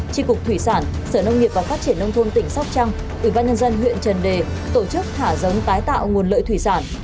tri cục thủy sản sở nông nghiệp và phát triển nông thôn tỉnh sóc trăng ủy ban nhân dân huyện trần đề tổ chức thả giống tái tạo nguồn lợi thủy sản